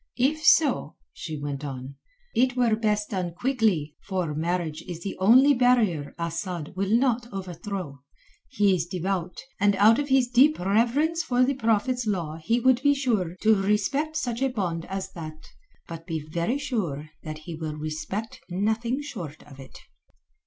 "If so," she went on, "it were best done quickly, for marriage is the only barrier Asad will not overthrow. He is devout, and out of his deep reverence for the Prophet's law he would be sure to respect such a bond as that. But be very sure that he will respect nothing short of it."